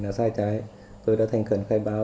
mình đã sai trái tôi đã thành khẩn khai báo